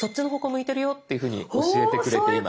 向いてるよっていうふうに教えてくれています。